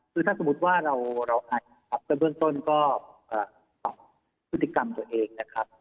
คือถ้าสมมุติว่าเราไอครับในเบื้องต้นก็ศึกษิกรรมตัวเองนะครับ